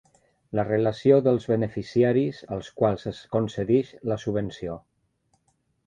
La relació dels beneficiaris als quals es concedeix la subvenció.